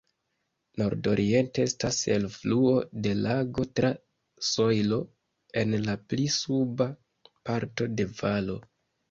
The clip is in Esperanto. Nordoriente estas elfluo de lago, tra sojlo en la pli suba parto de valo.